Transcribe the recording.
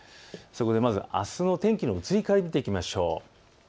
そこでまずあすの天気の移り変わりを見ていきましょう。